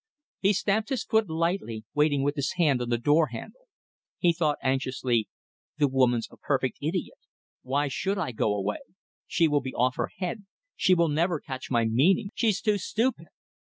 He stamped his foot lightly, waiting with his hand on the door handle. He thought anxiously: The woman's a perfect idiot. Why should I go away? She will be off her head. She will never catch my meaning. She's too stupid.